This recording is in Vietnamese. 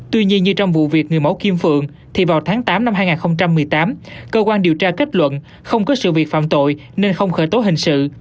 tuy nhiên như trong vụ việc người mẫu kim phượng thì vào tháng tám năm hai nghìn một mươi tám cơ quan điều tra kết luận không có sự việc phạm tội nên không khởi tố hình sự